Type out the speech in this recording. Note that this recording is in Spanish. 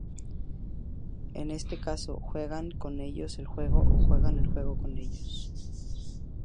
En ese caso, ¿juegan ellos con el juego o juega el juego con ellos?